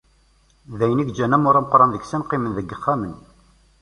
D ayen i yeǧǧan amur ameqqran deg-sen qqimen deg yixxamen.